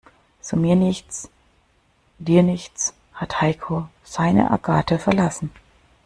So mir nichts, dir nichts hat Heiko seine Agathe verlassen.